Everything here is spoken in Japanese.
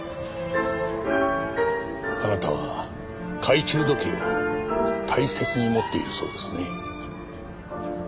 あなたは懐中時計を大切に持っているそうですね。